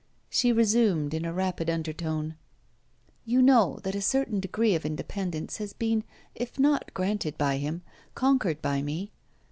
She resumed, in a rapid undertone: 'You know that a certain degree of independence had been, if not granted by him, conquered by me.